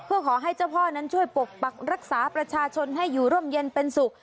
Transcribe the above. เพื่อขอให้เจ้าพ่อนั้นช่วยปกปักรักษาประชาชนให้อยู่ร่มเย็นเป็นสุข